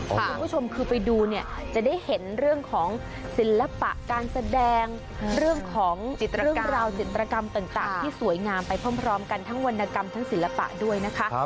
คุณผู้ชมคือไปดูเนี่ยจะได้เห็นเรื่องของศิลปะการแสดงเรื่องของเรื่องราวจิตรกรรมต่างที่สวยงามไปพร้อมกันทั้งวรรณกรรมทั้งศิลปะด้วยนะคะ